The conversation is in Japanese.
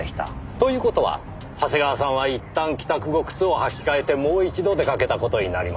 という事は長谷川さんはいったん帰宅後靴を履き替えてもう一度出かけた事になります。